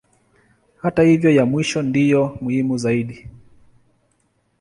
Hata hivyo ya mwisho ndiyo muhimu zaidi.